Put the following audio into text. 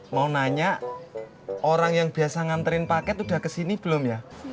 mau nanya orang yang biasa nganterin paket udah kesini belum ya